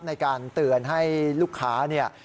ในการเตือนให้ลูกค้าเนี่ย